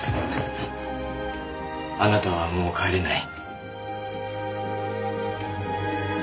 あなたはもう帰れない。